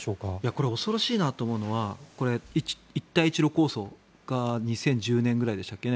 これ恐ろしいなと思うのは一帯一路構想が２０１０年くらいでしたっけ